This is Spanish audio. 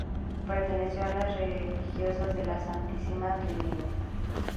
Perteneció a las Religiosas de la Santísima Trinidad.